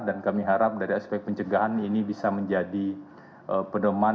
dan kami harap dari aspek pencegahan ini bisa menjadi pedoman